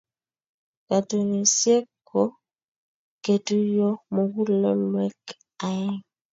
Katunisyet ko ketuiyo mugulelweek aeng.